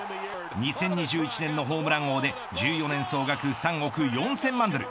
２０２１年のホームラン王で１４年総額３億４０００万ドル